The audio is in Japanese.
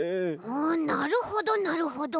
あなるほどなるほど。